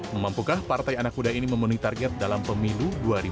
memampukah partai anak muda ini memenuhi target dalam pemilu dua ribu dua puluh